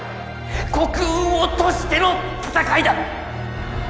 国運を賭しての戦いだ！